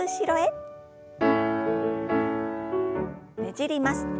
ねじります。